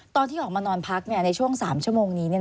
ตอนที่ออกมานอนพักในช่วง๓ชั่วโมงนี้